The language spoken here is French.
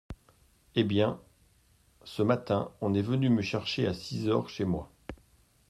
Eh bien, ce matin, on est venu me chercher à six heures… chez moi…